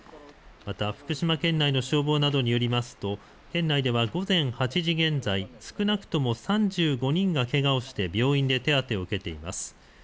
また福島県内の消防などによりますと県内では午前８時現在、少なくとも３５人がけがをして病院で手当てを受けています。